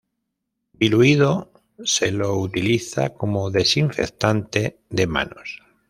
Diluido, se lo utiliza como desinfectante de manos.